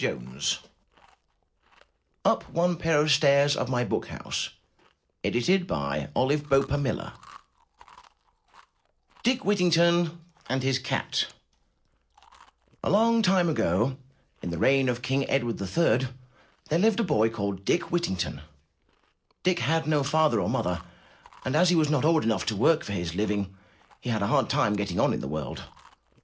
Quoted by permission of Henry Holt & Company, 328 UP ONE PAIR OF STAIRS DICK WHITTINGTON AND HIS CAT A long time ago, in the reign of King Edward III, there lived a boy called Dick Whittington. Dick had no father or mother and, as he was not old enough to work for his living, he had a hard time getting on in the world.